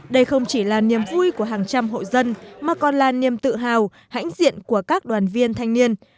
đây không chỉ là niềm vui của hàng trăm hộ dân mà còn là niềm tự hào hãnh diện của các đoàn viên thanh niên